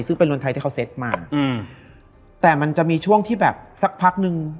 ซึ่งเป็นเรือนไทยที่เขาเซ็ตมาอืมแต่มันจะมีช่วงที่แบบสักพักนึง